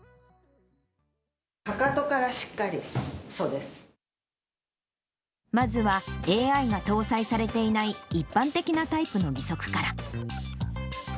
かかとからしっかり、そうでまずは、ＡＩが搭載されていない一般的なタイプの義足から。